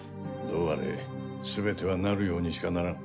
うあれすべてはなるようにしかならん。